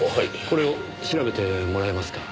これを調べてもらえますか？